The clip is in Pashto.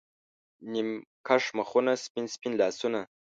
نیم کښ مخونه، سپین، سپین لاسونه